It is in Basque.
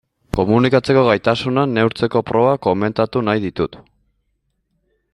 Komunikatzeko gaitasuna neurtzeko proba komentatu nahi ditut.